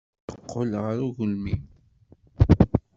Yeqqel ɣer ugelmim.